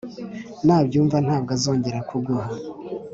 nabyumva ntabwo azongera kuguha